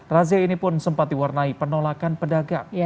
razia ini pun sempat diwarnai penolakan pedagang